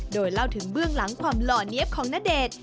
โดยเล่าถึงเบื้องหลังความหล่อเนี๊ยบของณเดชน์